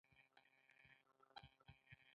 سیندونه مه ککړوئ